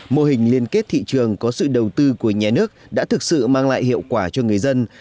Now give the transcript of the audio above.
mô hình liên kết thị trường có sự đầu tư của nhà nước đã thực sự mang lại hiệu quả cho người dân